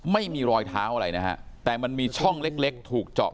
ไม่มีรอยเท้าอะไรนะฮะแต่มันมีช่องเล็กเล็กถูกเจาะ